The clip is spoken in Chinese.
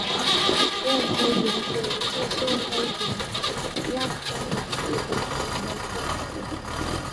绽灰蝶属是线灰蝶亚科美灰蝶族中的一个属。